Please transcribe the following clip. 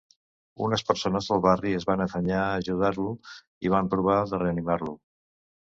Unes persones del barri es van afanyar a ajudar-lo i van provar de reanimar-lo.